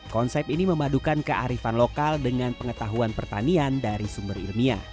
konsep ini memadukan kearifan lokal dengan pengetahuan pertanian dari sumber ilmiah